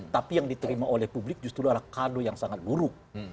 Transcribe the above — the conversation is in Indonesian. tapi yang diterima oleh publik justru adalah kado yang sangat buruk